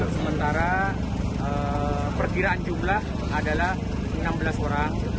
sementara perkiraan jumlah adalah enam belas orang